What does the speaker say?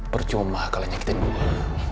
percuma kalau nyakitin gue